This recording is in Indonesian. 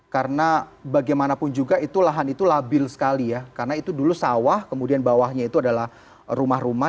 karena bagaimanapun juga itu lahan itu labil sekali ya karena itu dulu sawah kemudian bawahnya itu adalah rumah rumah